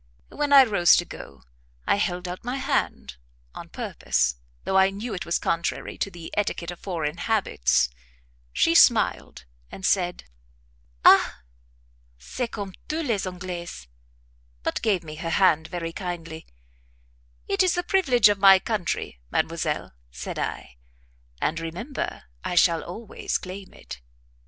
When I rose to go, I held out my hand, on purpose, though I knew it was contrary to the etiquette of foreign habits; she smiled, and said "Ah! c'est comme tous les Anglais," but gave me her hand very kindly. "It is the privilege of my country, Mademoiselle," said I; "and, remember, I shall always claim it."